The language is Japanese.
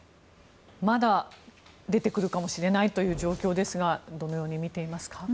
まだ出てくるかもしれないという状況ですがどのように見ていますか。